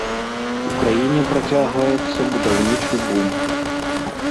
У краіне працягваецца будаўнічы бум.